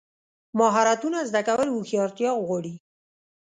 مهارتونه زده کول هوښیارتیا غواړي.